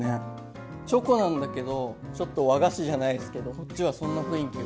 チョコなんだけどちょっと和菓子じゃないですけどこっちはそんな雰囲気が。